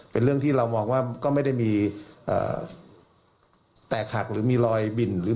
เป็นเรื่องที่เรามองว่าก็ไม่ได้มีแตกหักหรือมีรอยบินหรือ